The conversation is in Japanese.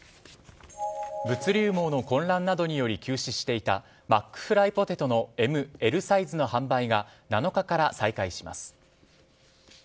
物流網の混乱などにより休止していたマックフライポテトのＭ・Ｌサイズの販売が７日から再開します。